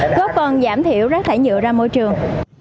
góp phần giảm thiểu rác thải nhựa ra môi trường